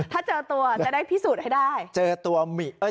ถ้าเจอตัวจะได้พิสูจน์ให้ได้